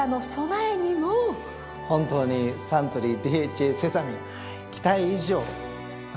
本当にサントリーＤＨＡセサミン。